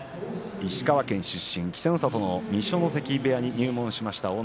石川県出身、稀勢の里の二所ノ関部屋に入門しました。